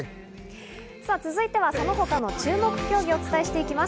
続いてはその他の注目競技をお伝えしてきます。